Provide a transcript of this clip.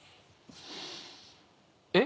えっ？